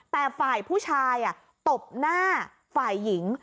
แต่ฝ่ายผู้ชายตบหน้าฝ่ายหญิง